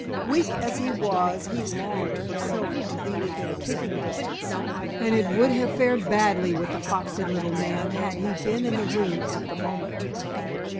Weak as he was, he longed for Silver to be within kicking distance, and it would have fared badly with the foxy little man had he been in the room at the moment.